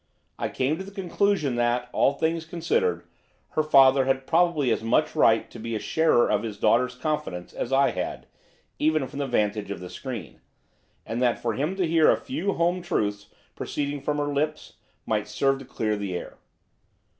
I came to the conclusion that, all things considered, her father had probably as much right to be a sharer of his daughter's confidence as I had, even from the vantage of the screen, and that for him to hear a few home truths proceeding from her lips might serve to clear the air.